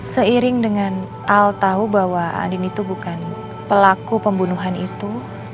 seiring dengan al tahu bahwa andin itu bukan pelaku pembunuhan itu